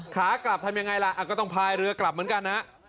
ขากลับทำยังไงล่ะก็ต้องพายเรือกลับเหมือนกันฮะ